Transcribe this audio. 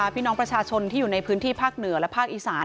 พี่น้องประชาชนที่อยู่ในพื้นที่ภาคเหนือและภาคอีสาน